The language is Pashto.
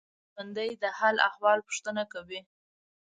ژوندي د حال احوال پوښتنه کوي